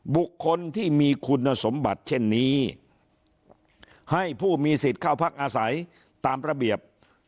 บุคคลที่มีคุณสมบัติเช่นนี้ให้ผู้มีสิทธิ์เข้าพักอาศัยตามระเบียบ